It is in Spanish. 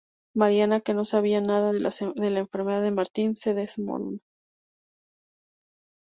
Mariana, que no sabía nada de la enfermedad de Martín, se desmorona.